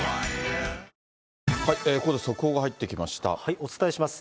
お伝えします。